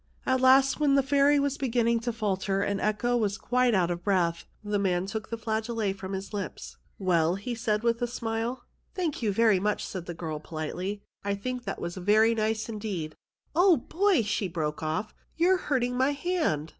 At last, when the fairy was beginning to falter and echo was quite out of breath, the man took the flageolet from his lips. " Well," he said, with a smile. "Thank you very much," said the girl politely. " I think that was very nice indeed. Oh, boy !" she broke off, " you're hurting my hand